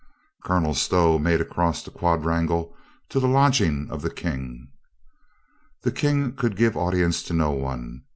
Colonel Stow made across the quadrangle to the lodging of the King. The King could give audience to no one.